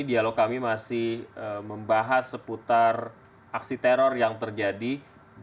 dialog kami masih membahas seputar aksi teror yang terjadi di surakarta di solo pagi hari tadi